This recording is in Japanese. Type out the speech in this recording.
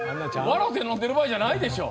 笑って飲んでる場合じゃないでしょ！